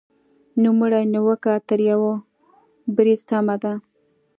نوموړې نیوکه تر یوه بریده سمه ده.